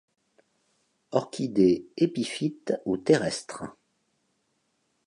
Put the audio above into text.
Orchidées épiphytes ou terrestres.